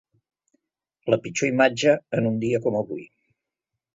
La pitjor imatge en un dia com avui.